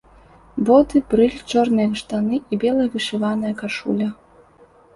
Боты, брыль, чорныя штаны і белая вышываная кашуля!